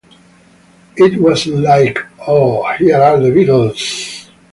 It wasn't like, Oh, here are the Beatles.